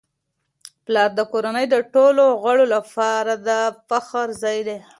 پلار د کورنی د ټولو غړو لپاره د فخر ځای دی.